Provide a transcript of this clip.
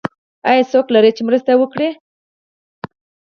ایا څوک لرئ چې مرسته وکړي؟